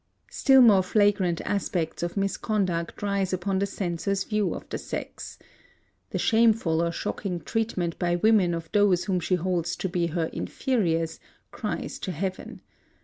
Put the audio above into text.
Still more flagrant aspects of misconduct rise upon the censor's view of the sex. The shameful or shocking treatment by woman of those whom she holds to be her inferiors cries to Heaven.